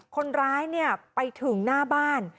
คนร้ายเนี่ยไปถึงหน้าบ้าน